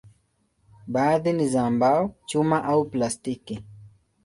Baadhi ni za mbao, chuma au plastiki.